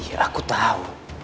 iya aku tahu